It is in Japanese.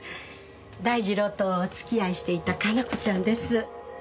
大二郎とお付き合いしていた可奈子ちゃんです。